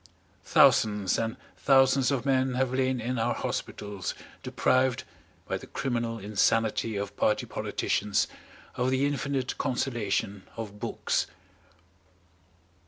Thousands and thousands of men have lain in our hospitals deprived, by the criminal insanity of party politicians, of the infinite consolation of books.